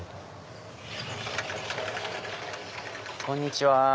こんにちは。